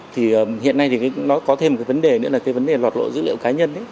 thì hiện nay thì nó có thêm một cái vấn đề nữa là cái vấn đề lọt lộ dữ liệu cá nhân